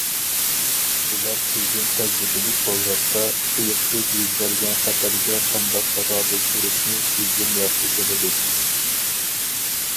ئۇلار سىزدىن تەجرىبىلىك بولغاچقا، تۇيۇقسىز يۈز بەرگەن خەتەرگە قانداق تاقابىل تۇرۇشنى سىزدىن ياخشى بىلىدۇ.